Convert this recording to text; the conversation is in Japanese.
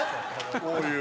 こういう。